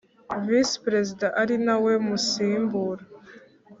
Visi perezida ari nawe Musimbura